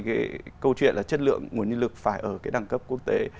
cái câu chuyện là chất lượng nguồn nhân lực phải ở cái đẳng cấp quốc tế